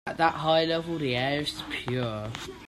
At that high level the air is pure.